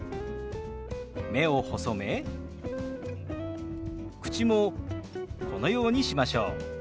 目を細め口もこのようにしましょう。